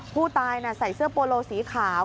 ผู้ตายใส่เสื้อโปโลสีขาว